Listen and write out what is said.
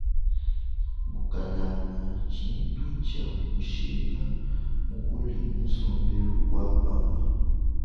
Bukalanga tshintu tshia mushinga mukole mu sombelu wa pamue.